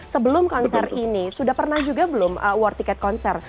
sebelum konser ini sudah pernah juga belum war tiket konser